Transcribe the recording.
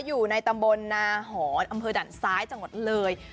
อยู่ในตำบลนาหอนอำเภอด่านซ้ายจังหวัดเลย